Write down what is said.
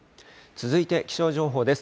続いて気象情報です。